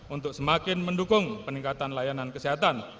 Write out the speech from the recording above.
untuk semakin mendukung peningkatan layanan kesehatan